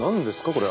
これ。